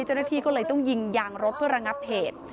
เจ้าหน้าที่ก็เลยต้องยิงยางรถเพื่อระงับเหตุ